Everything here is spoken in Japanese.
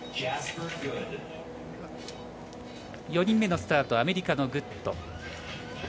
４人目のスタートはアメリカのグッド。